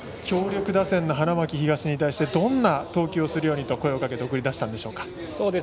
強力打線の花巻東に対してどんな投球をするようにと声をかけて送り出したんでしょうか。